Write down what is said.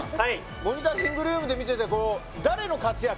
モニタリングルームで見ててこう誰の活躍が？